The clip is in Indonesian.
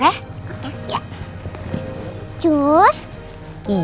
serta milih suami